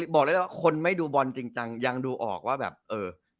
บอกเลยว่าคนไม่ดูบอลจริงจังยังดูออกว่าแบบเออ